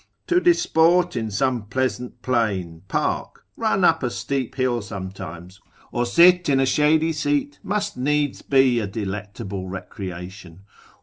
to disport in some pleasant plain, park, run up a steep hill sometimes, or sit in a shady seat, must needs be a delectable recreation.